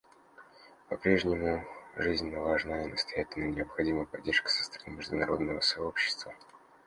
По-прежнему жизненно важна и настоятельно необходима поддержка со стороны международного сообщества.